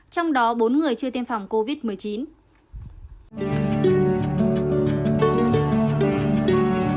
trong đó bốn người chưa tiêm phòng covid một mươi chín